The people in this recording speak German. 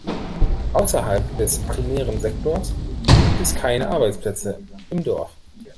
Außerhalb des primären Sektors gibt es keine Arbeitsplätze im Dorf.